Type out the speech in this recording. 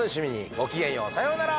ごきげんようさようなら！